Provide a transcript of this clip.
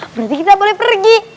berarti kita boleh pergi